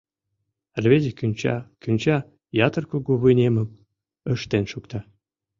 Рвезе кӱнча, кӱнча, ятыр кугу вынемым ыштен шукта...